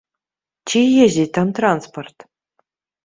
Ці ездзіць там транспарт?